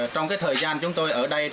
trong thời gian chúng tôi ở đây